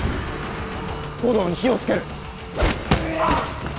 護道に火をつける！